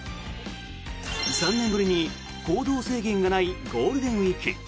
３年ぶりに行動制限がないゴールデンウィーク。